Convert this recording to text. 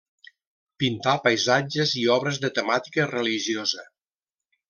Pintà paisatges i obres de temàtica religiosa.